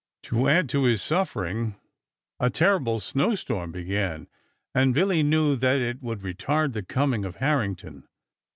To add to his suffering a terrible snow storm began, and Billy knew that it would retard the coming of Harrington.